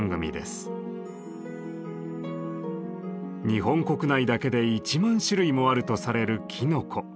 日本国内だけで１万種類もあるとされるきのこ。